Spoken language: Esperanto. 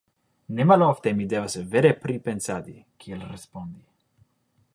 Ne malofte mi devas vere pripensadi, kiel respondi.